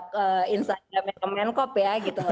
ke instagramnya ke menkop ya gitu loh